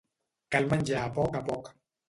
Cal menjar a poc a poc.